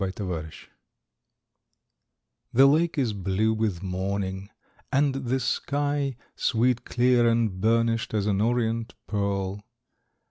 Morning on the Shore The lake is blue with morning; and the sky Sweet, clear, and burnished as an orient pearl.